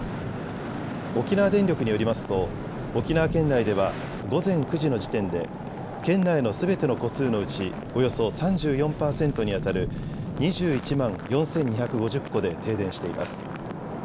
沖縄電力によりますと沖縄県内では午前９時の時点で県内のすべての戸数のうちおよそ３４％にあたる２１万４２５０戸で停電しています。